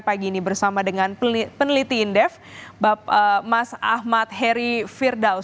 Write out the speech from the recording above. pertama kali kita bincangkan pagi ini bersama dengan peneliti indef mas ahmad heri firdaus